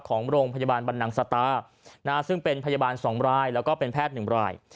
ของโรงพยาบาลบรรนังสตาซึ่งเป็นพยาบาล๒รายแล้วก็เป็นแพทย์๑ราย